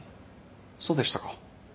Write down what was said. そうでしたか。